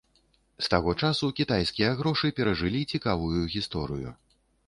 З таго часу кітайскія грошы перажылі цікавую гісторыю.